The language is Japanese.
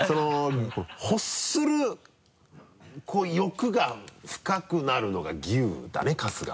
欲する欲が深くなるのが牛だね春日は。